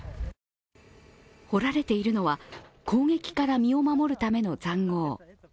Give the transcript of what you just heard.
掘られているのは、攻撃から身を守るための塹壕。